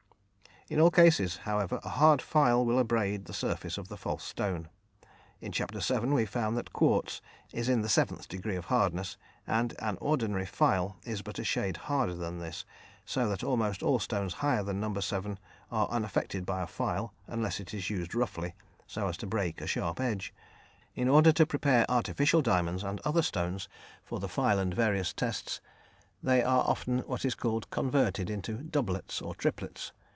In all cases, however, a hard file will abrade the surface of the false stone. In chapter VII. we found that quartz is in the seventh degree of hardness, and an ordinary file is but a shade harder than this, so that almost all stones higher than No. 7 are unaffected by a file unless it is used roughly, so as to break a sharp edge. In order to prepare artificial diamonds and other stones for the file and various tests, they are often what is called "converted" into "doublets" or "triplets."